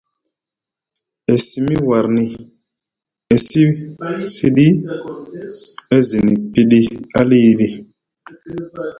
E simi warni, e wi siɗi, e zini piɗi aliɗi,